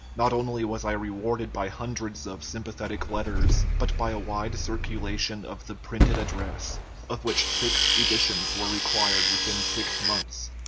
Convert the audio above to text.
Not only was I rewarded by hundreds of sympathetic letters, but by a wide circu lation of the printed address, of which six editions were required within six months.